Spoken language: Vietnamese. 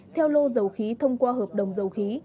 theo lô dầu khí thông qua hợp đồng dầu khí